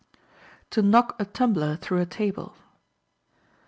To Knock a Tumbler Through a Table.